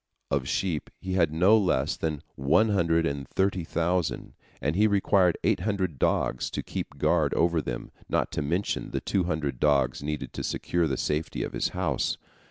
Of sheep he had no less than one hundred and thirty thousand, and he required eight hundred dogs to keep guard over them, not to mention the two hundred dogs needed to secure the safety of his house.